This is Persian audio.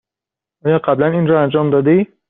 آیا قبلا این را انجام داده ای؟